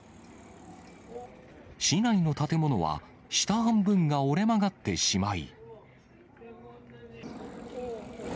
市内の建物は、下半分が折れ曲がってしまい。